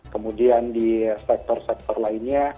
kemudian di sektor sektor lainnya